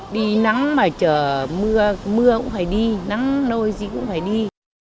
đi nắng mà chờ mưa mưa cũng phải đi nắng nơi gì cũng phải đi